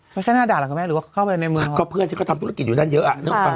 ไม่ใช่หน้าด่านหรอกหรือว่าเข้าไปในเมืองหรือเพื่อนที่ก็ทำธุรกิจอยู่ด้านเยอะ